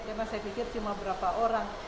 karena saya pikir cuma berapa orang